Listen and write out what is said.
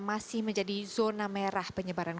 masih menjadi zona merah penyebaran